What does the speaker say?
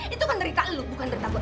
itu kan derita lo bukan derita gue